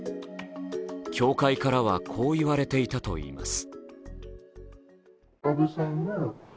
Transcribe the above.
教会からは、こう言われていたといいます。